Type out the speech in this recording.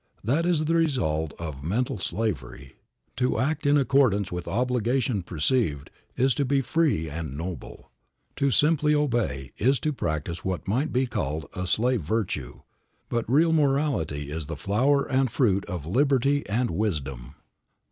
That is the result of mental slavery. To act in accordance with obligation perceived is to be free and noble. To simply obey is to practice what might be called a slave virtue; but real morality is the flower and fruit of liberty and wisdom.